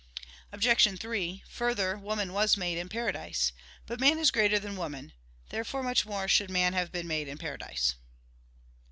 Obj. 3: Further, woman was made in paradise. But man is greater than woman. Therefore much more should man have been made in paradise.